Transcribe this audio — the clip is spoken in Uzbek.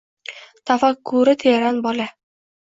Tafakkuri teran bola